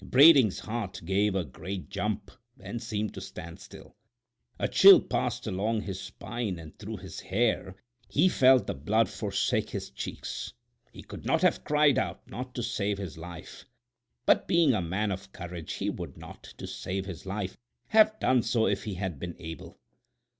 Brading's heart gave a great jump, then seemed to stand still. A chill passed along his spine and through his hair; he felt the blood forsake his cheeks. He could not have cried out—not to save his life; but being a man of courage he would not, to save his life, have done so if he had been able.